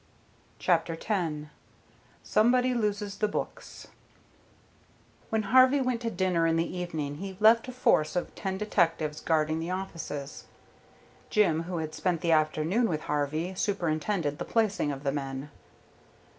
CHAPTER X SOMEBODY LOSES THE BOOKS When Harvey went to dinner in the evening he left a force of ten detectives guarding the offices. Jim, who had spent the afternoon with Harvey, superintended the placing of the men.